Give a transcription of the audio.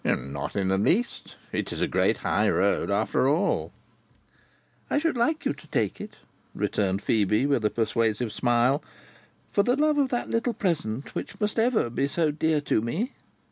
"Not in the least; it is a great high road after all." "I should like you to take it," returned Phœbe, with a persuasive smile, "for the love of that little present which must ever be so dear to me.